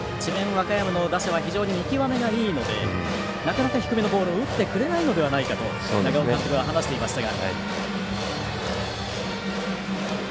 和歌山の打者は非常に見極めがいいのでなかなか低めのボールを打ってくれないのではないかと長尾監督は話していましたが。